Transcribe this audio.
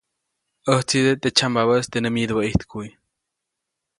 ʼÄjtsideʼe teʼ tsyambabäʼis teʼ nä myidubä ʼijtkuʼy.